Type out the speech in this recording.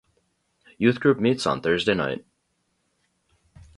Youth Group meets on Thursday Night.